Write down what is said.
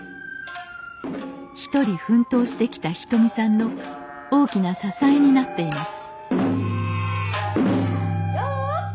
一人奮闘してきたひとみさんの大きな支えになっています